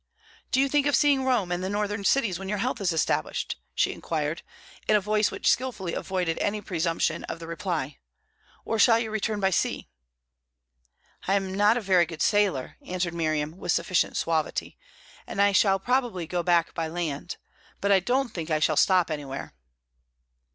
"Do you think of seeing Rome and the northern cities when your health is established?" she inquired, in a voice which skilfully avoided any presumption of the reply. "Or shall you return by sea?" "I am not a very good sailor," answered Miriam, with sufficient suavity, "and I shall probably go back by land. But I don't think I shall stop anywhere."